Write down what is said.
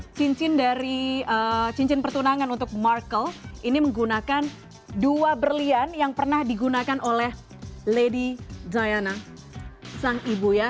cincin dari cincin pertunangan untuk markle ini menggunakan dua berlian yang pernah digunakan oleh lady diana sang ibu ya